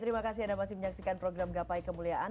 terima kasih anda masih menyaksikan program gapai kemuliaan